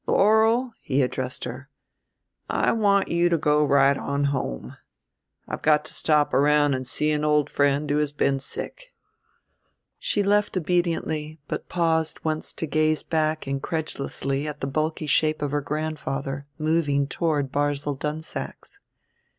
Laurel," he addressed her, "I want you to go right on home. I've got to stop around and see an old friend who has been sick." She left obediently, but paused once to gaze back incredulously at the bulky shape of her grandfather moving toward Barzil Dunsack's.